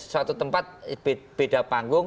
suatu tempat beda panggung